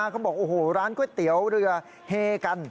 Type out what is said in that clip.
เขาบอกโอ้โหร้านก๋วยเตี๋ยวเรือเฮกัน